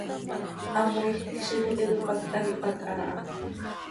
Hamoiij quij, ziix iti cöipacta quih pac haa ha.